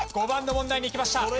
５番の問題にいきました。